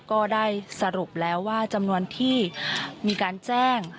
ก็ได้สรุปแล้วว่าจำนวนที่มีการแจ้ง